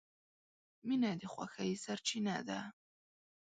• مینه د خوښۍ سرچینه ده.